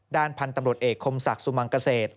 ด้านพันธุ์ตำรวจเอกคมศักดิ์สุมังเกษตร